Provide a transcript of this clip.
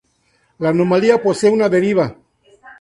La anomalía posee una deriva.